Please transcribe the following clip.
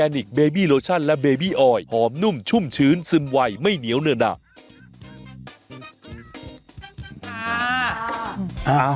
นุ๊ยนุ๊ยจะล่ะ